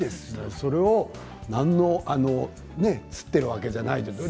それを何の、つっているわけでもないし。